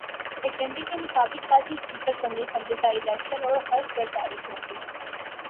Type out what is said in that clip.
ایجنڈے کے مطابق کل ہی اسپیکر قومی اسمبلی کا الیکشن اور حلف برداری ہوگی۔